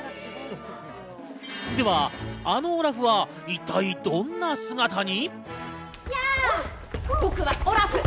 では、あのオラフは一体、どんな姿に？